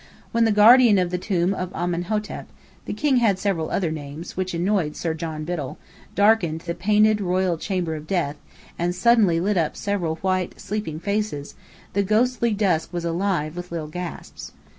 When the guardian of the Tomb of Amenhetep (the king had several other names, which annoyed Sir John Biddell) darkened the painted, royal chamber of death, and suddenly lit up several white, sleeping faces, the ghostly dusk was alive with little gasps.